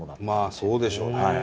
まあそうでしょうね。